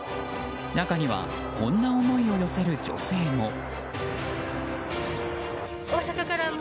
中にはこんな思いを寄せる女性も。